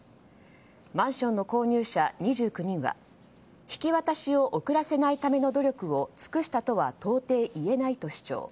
マンションの購入者２９人は引き渡しを遅らせないための努力を尽くしたとは到底言えないと主張。